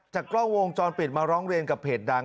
กล้องวงจรปิดมาร้องเรียนกับเพจดัง